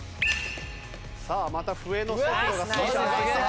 さあまた笛の速度が少し上がってきた。